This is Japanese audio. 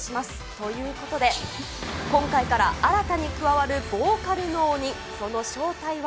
ということで、今回から、新たに加わるボーカルの鬼、その正体は？